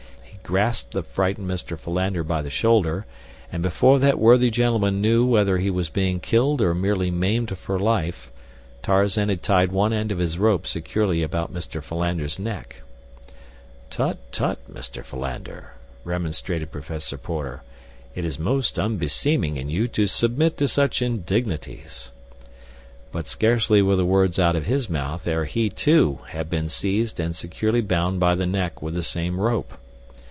He grasped the frightened Mr. Philander by the shoulder, and before that worthy gentleman knew whether he was being killed or merely maimed for life, Tarzan had tied one end of his rope securely about Mr. Philander's neck. "Tut, tut, Mr. Philander," remonstrated Professor Porter; "it is most unbeseeming in you to submit to such indignities." But scarcely were the words out of his mouth ere he, too, had been seized and securely bound by the neck with the same rope.